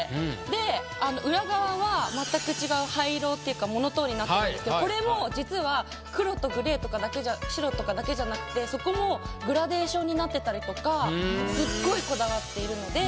で裏側は全く違う灰色っていうかモノトーンになってるんですけどこれも実は黒とグレーとか白とかだけじゃなくてそこもグラデーションになってたりとかすっごいこだわっているので。